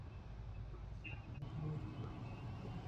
নীরজা ফুলটা অবজ্ঞার সঙ্গে ঠেলে দিয়ে বললে, জান মার্কেটে এ ফুলের দাম কত?